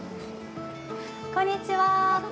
こんにちは。